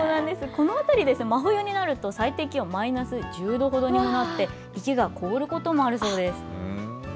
この辺り、真冬になると、最低気温マイナス１０度ほどになって、池が凍ることもあるそうです。